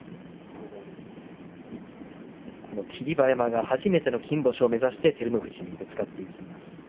この霧馬山が初めての金星を目指して照ノ富士にぶつかっていきます。